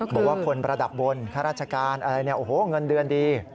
บอกว่าคนระดับบนข้าราชการอะไรเนี่ยโอ้โหเงินเดือนดี